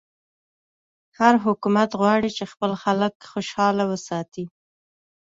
هر حکومت غواړي چې خپل خلک خوشحاله وساتي.